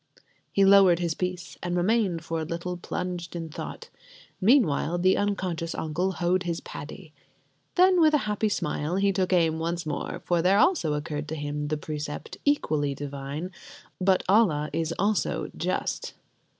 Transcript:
He lowered his piece, and remained for a little plunged in thought; meanwhile the unconscious uncle hoed his paddy. Then with a happy smile he took aim once more, for there also occurred to him the precept equally divine: "But Allah is also just."